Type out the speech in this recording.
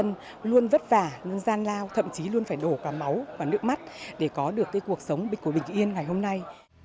tuy nhiên truyền hình công an nhân dân luôn vất vả luôn gian lao thậm chí luôn phải đổ cả máu và nước mắt để có được cuộc sống bình yên ngày hôm nay